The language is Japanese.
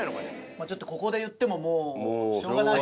まあちょっとここで言ってももうしょうがないんで。